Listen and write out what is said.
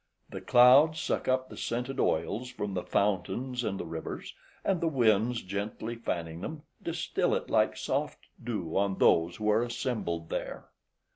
The clouds suck up the scented oils from the fountains and rivers, and the winds gently fanning them, distil it like soft dew on those who are assembled there.